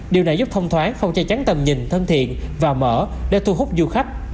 điều này giúp thông thoáng không che chắn tầm nhìn thân thiện và mở để thu hút du khách